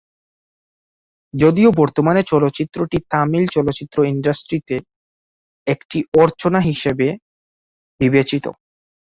যদিও বর্তমানে চলচ্চিত্রটি তামিল চলচ্চিত্র ইন্ডাস্ট্রিতে একটি 'অর্চনা' হিসেবে বিবেচিত।